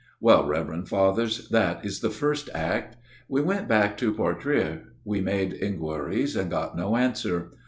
" Well, Reverend Fathers ; that is the first Act. We went back to Portrieux : we made inquiries and got no answer.